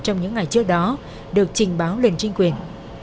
những ngày trước đó được trình báo lên trinh quyền